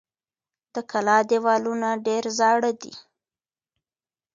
د کلا دېوالونه ډېر زاړه دي.